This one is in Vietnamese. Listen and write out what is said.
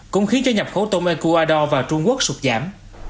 cũng khiến cho nhập khẩu tôm ecuador vào trung quốc sụt giảm